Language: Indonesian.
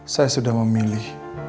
saya sudah memilih